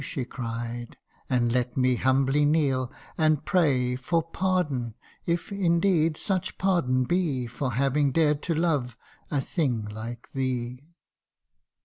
' She cried, ' and let me humbly kneel, and pray For pardon ; if, indeed, such pardon be For having dared to love a thing like thee